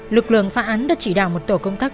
lực lượng phá án đã chỉ đạo một tổ công tác